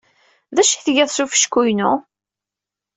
D acu ay tgiḍ s ufecku-inu?